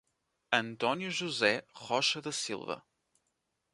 Antônio José Rocha da Silva